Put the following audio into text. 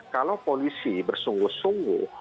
kalau polisi bersungguh sungguh